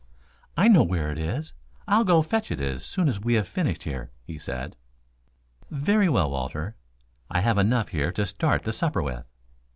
"I know where it is. I'll go fetch it as soon as we have finished here," he said. "Very well, Walter. I have enough here to start the supper with."